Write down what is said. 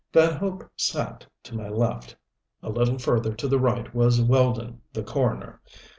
Van Hope sat to my left, a little further to the right was Weldon, the coroner.